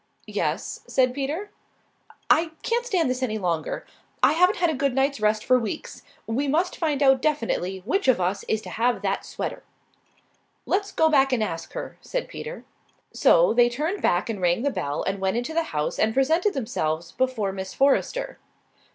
"Yes?" said Peter. "I can't stand this any longer. I haven't had a good night's rest for weeks. We must find out definitely which of us is to have that sweater." "Let's go back and ask her," said Peter. So they turned back and rang the bell and went into the house and presented themselves before Miss Forrester.